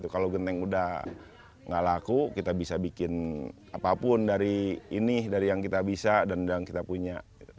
kalau genteng udah gak laku kita bisa bikin apapun dari ini dari yang kita bisa dan yang kita punya